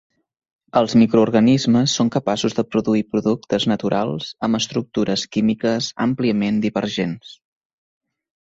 Els microorganismes són capaços de produir productes naturals amb estructures químiques àmpliament divergents.